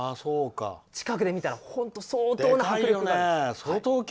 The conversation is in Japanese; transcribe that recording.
近くで見たら本当に相当な迫力。